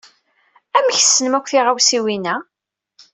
Amek tesnem akk tiɣawsiwin-a?